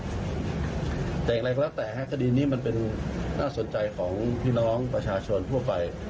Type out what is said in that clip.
แต่อย่างไรก็แล้วแต่คดีนี้มันเป็นน่าสนใจของพี่น้องประชาชนทั่วไป